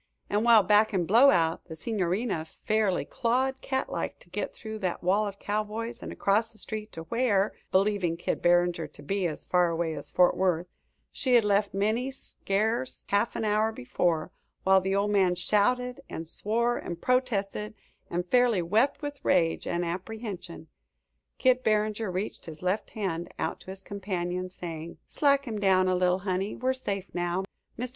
And while, back in Blowout, the Signorina fairly clawed, cat like, to get through that wall of cowboys and across the street to where (believing Kid Barringer to be as far away as Fort Worth) she had left Minnie scarce half an hour before while the old man shouted and swore and protested and fairly wept with rage and apprehension; Kid Barringer reached his left hand out to his companion, saying: "Slack him down a little, honey; we're safe now. Mr.